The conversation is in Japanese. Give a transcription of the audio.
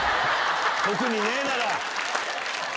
特にねえなら。